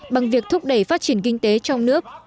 bằng việc thúc đẩy phát triển kinh tế trong nước